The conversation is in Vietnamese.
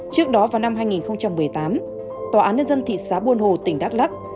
trước đó vào năm hai nghìn một mươi tám tòa án nhân dân thị xã buôn hồ tỉnh đắk lắc